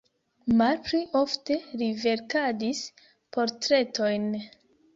Malpli ofte li verkadis portretojn.